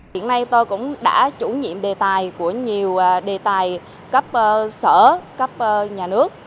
hiện nay tôi cũng đã chủ nhiệm đề tài của nhiều đề tài cấp sở cấp nhà nước